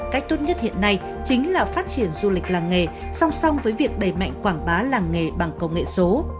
cách tốt nhất hiện nay chính là phát triển du lịch làng nghề song song với việc đẩy mạnh quảng bá làng nghề bằng công nghệ số